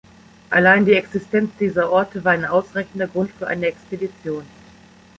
Allein die Existenz dieser Orte war ein ausreichender Grund für eine Expedition.